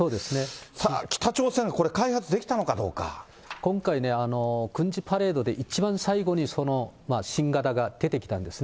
さあ、北朝鮮これ、開発でき今回ね、軍事パレードで一番最後に、その新型が出てきたんですね。